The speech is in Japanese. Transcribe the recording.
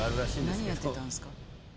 何やってたんですか？